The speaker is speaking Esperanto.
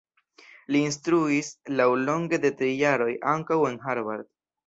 Li instruis, laŭlonge de tri jaroj, ankaŭ en Harvard.